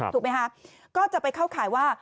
ถูกไหมคะก็จะไปเข้าข่ายว่า